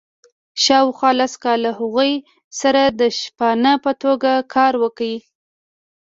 شاوخوا لس کاله هغوی سره د شپانه په توګه کار وکړي.